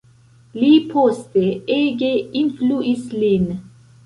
Li poste ege influis lin.